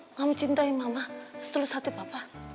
nggak mencintai mama setulus hati papa